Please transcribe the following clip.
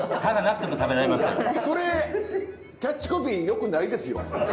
それキャッチコピーよくないですよ。